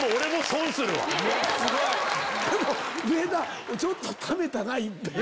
でも上田ちょっとためたな一遍。